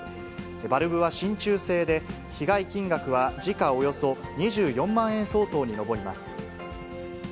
バルブは真ちゅう製で、被害金額は時価およそ２４万円相当に上ります。